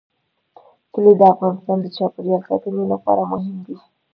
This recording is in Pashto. کلي د افغانستان د چاپیریال ساتنې لپاره مهم دي.